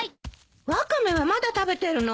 ワカメはまだ食べてるの？